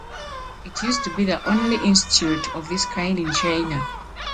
It used to be the only institute of this kind in China.